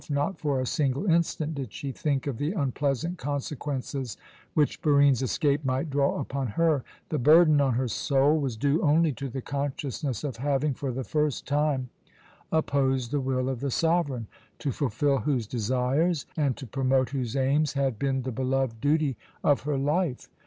Not for a single instant did she think of the unpleasant consequences which Barine's escape might draw upon her. The burden on her soul was due only to the consciousness of having, for the first time, opposed the will of the sovereign, to fulfil whose desires and to promote whose aims had been the beloved duty of her life.